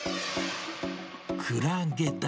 クラゲだ。